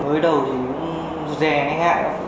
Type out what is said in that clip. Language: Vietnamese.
mới đầu thì cũng dè ngay ngại